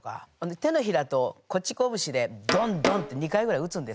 手のひらとこっち拳でドンドンッて２回ぐらい打つんですよ。